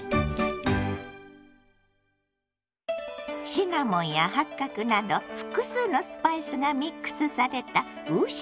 シナモンや八角など複数のスパイスがミックスされた五香粉。